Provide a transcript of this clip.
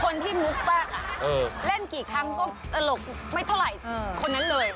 คนที่มุกมากเล่นกี่ครั้งก็ตลกไม่เท่าไหร่คนนั้นเลย